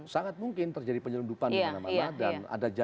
sangat mungkin terjadi penyelundupan di mana mana